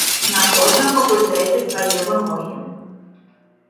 На кожным факультэце свае вымогі.